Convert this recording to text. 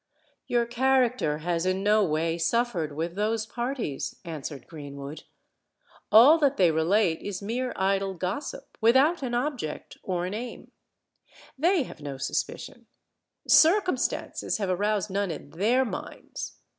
"Your character has in no way suffered with those parties," answered Greenwood. "All that they relate is mere idle gossip, without an object or an aim. They have no suspicion: circumstances have aroused none in their minds.